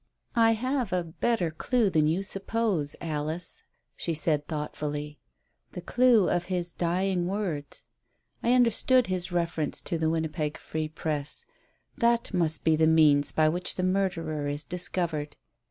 "I have a better clue than you suppose, Alice," she said thoughtfully, "the clue of his dying words. I understood his reference to the Winnipeg Free Press. That must be the means by which the murderer is discovered.